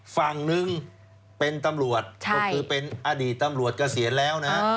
ฝั่งนึงเป็นตำรวจก็คือเป็นอดีตตำรวจเกษียณแล้วนะ